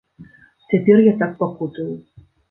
Цяпер я так пакутую.